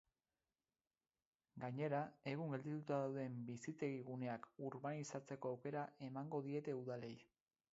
Gainera, egun geldituta dauden bizitegi-guneak urbanizatzeko aukera emango diete udalei.